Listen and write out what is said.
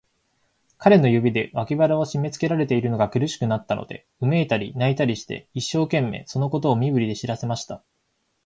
彼の指で、脇腹をしめつけられているのが苦しくなったので、うめいたり、泣いたりして、一生懸命、そのことを身振りで知らせました。